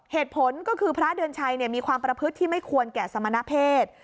เหตุผลก็คือพระเดือนชัยมีความประพฤติที่ไม่ควรแก่สมณเพศ